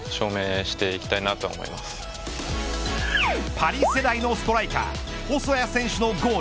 パリ世代のストライカー細谷選手のゴール。